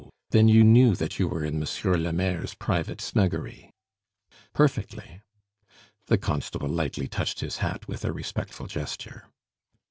Then you knew that you were in Monsieur le Maire's private snuggery?" "Perfectly." The constable lightly touched his hat with a respectful gesture.